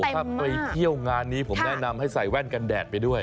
ถ้าไปเที่ยวงานนี้ผมแนะนำให้ใส่แว่นกันแดดไปด้วย